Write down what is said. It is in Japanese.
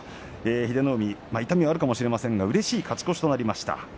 英乃海、痛みはあるかもしれませんがうれしい勝ち越し。